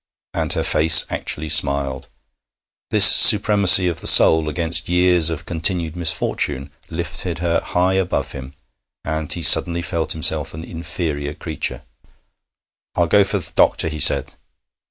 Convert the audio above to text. And her face actually smiled. This supremacy of the soul against years of continued misfortune lifted her high above him, and he suddenly felt himself an inferior creature. 'I'll go for th' doctor,' he said.